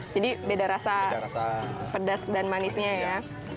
jadi beda rasa pedas dan manisnya ya